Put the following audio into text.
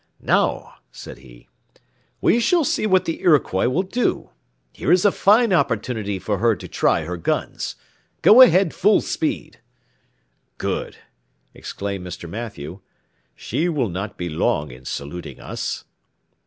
"Now," said he, "we shall see what the Iroquois will do; here is a fine opportunity for her to try her guns. Go ahead full speed!" "Good!" exclaimed Mr. Mathew; "she will not be long in saluting us."